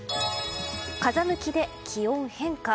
風向きで気温変化。